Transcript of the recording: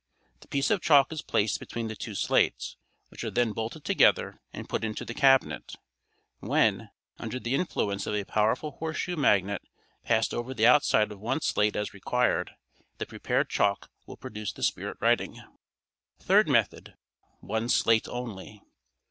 The piece of chalk is placed between the two slates, which are then bolted together and put into the cabinet; when, under the influence of a powerful horseshoe magnet passed over the outside of one slate as required, the prepared chalk will produce the spirit writing. Third Method (one slate only).